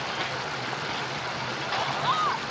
ژبو ته درناوی لرم